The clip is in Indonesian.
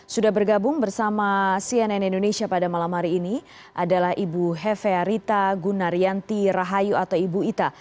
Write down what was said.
sudah bergabung bersama cnn indonesia pada malam hari ini adalah ibu hevearita gunaryanti rahayu atau ibu ita